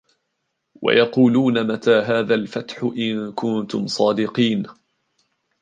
ويقولون متى هذا الفتح إن كنتم صادقين